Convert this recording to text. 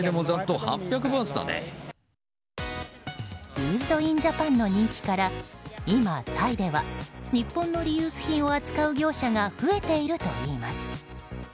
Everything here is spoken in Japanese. ユーズド・イン・ジャパンの人気から今、タイでは日本のリユース品を扱う業者が増えているといいます。